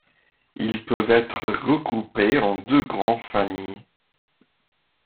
Ils peuvent être regroupés en deux grands familles.